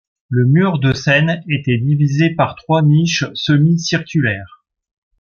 Le mur de scène était divisé par trois niches semi-circulaires.